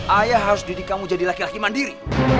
ayah harus didikamu jadi laki laki mandiri